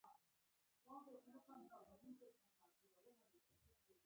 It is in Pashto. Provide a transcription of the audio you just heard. د جاهلیت په زمانه کې د مکې کیلي.